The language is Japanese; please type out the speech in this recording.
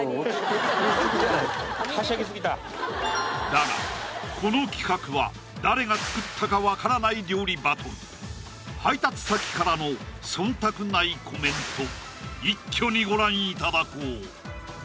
だがこの企画は誰が作ったか分からない料理バトル配達先からの忖度ないコメント一挙にご覧いただこう！